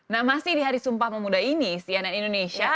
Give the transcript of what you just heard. nah masih di hari sumpah pemuda ini cnn indonesia